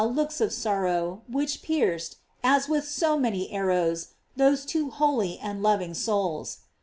565 looks of sorrow, which pierced, as with so many arrows, those two holy and loving souls.